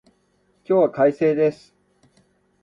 今日は快晴です